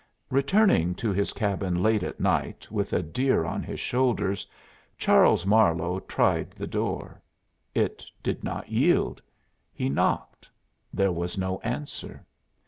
Returning to his cabin late at night with a deer on his shoulders Charles Marlowe tried the door. It did not yield. He knocked; there was no answer.